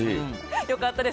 よかったです。